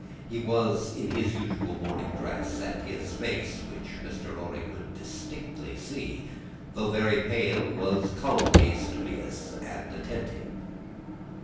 He was in his usual morning dress, and his face (which Mr. Lorry could distinctly see), though still very pale, was calmly studious and attentive.